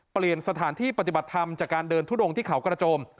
เปลี่ยนสถานที่ปฏิบัติธรรมจากการเดินทุดงที่เขากระโจม